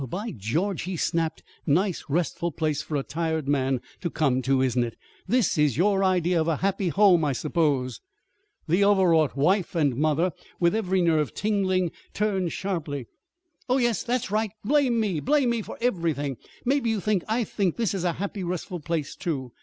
"Well, by George!" he snapped. "Nice restful place for a tired man to come to, isn't it? This is your idea of a happy home, I suppose!" The overwrought wife and mother, with every nerve tingling, turned sharply. "Oh, yes, that's right blame me! Blame me for everything! Maybe you think I think this is a happy, restful place, too!